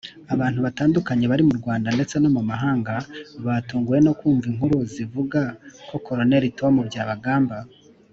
abantu batandukanye bari mu Rwanda ndetse no mu mahanga batunguwe no kumva inkuru zivuga ko Col Tom Byabagamba